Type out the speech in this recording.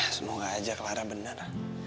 ya semoga aja clara bener